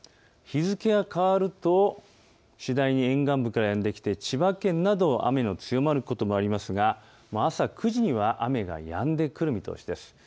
日付が変わると次第に沿岸部からやんできて千葉県など雨の強まることもありますが朝９時には雨がやんでくる見通しです。